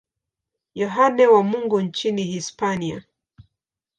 Yohane wa Mungu nchini Hispania.